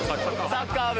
サッカー部？